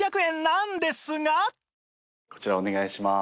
こちらお願いします。